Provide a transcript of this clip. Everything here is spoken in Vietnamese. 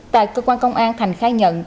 tại cơ quan công an thành khai nhận